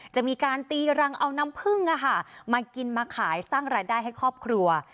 จะมีการตีรังเอาน้ำพึ่งมากินมาขายสร้างรายได้ให้ครอบครัว